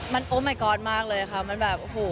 มันโอ้ไหมก๊อดมากเลยค่ะมันแบบโห